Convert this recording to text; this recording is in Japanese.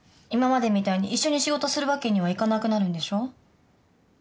今までみたいに一緒に仕事するわけにはいかなくなるんでしょ？